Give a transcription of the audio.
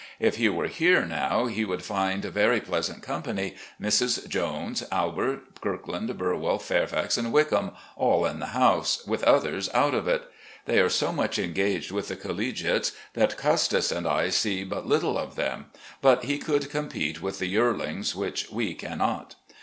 If he were here, now, he would find very pleasant company. Misses Jones, Albert, Kirkland, Burwell, Fairfax, and Wickham, all in the house, with others out of it. They are so much engaged with the collegiates that Custis and I see but little of them, but he could compete with the yearlings, which we cannot.